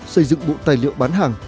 xây dựng bộ tài liệu bán hàng